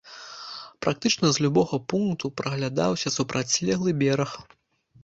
Практычна з любога пункту праглядаўся супрацьлеглы бераг.